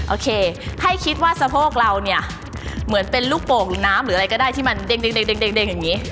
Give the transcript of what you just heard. โอเคให้คิดว่าสะโพกเราเนี่ยเหมือนเป็นลูกโป่งหรือน้ำหรืออะไรก็ได้ที่มันเด็กอย่างนี้